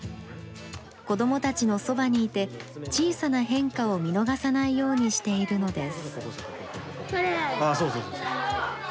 子どもたちのそばにいて、小さな変化を見逃さないようにしているのです。